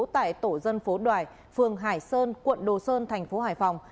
tại tổ dân phố đoài phường hải sơn quận đồ sơn thành phố hải phòng